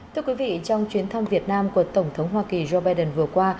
thưa quý vị trong chuyến thăm việt nam của tổng thống hoa kỳ joe biden vừa qua